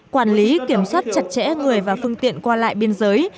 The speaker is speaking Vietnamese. quản lý kiểm soát chặt chẽ người và phương tiện qua lại biên giới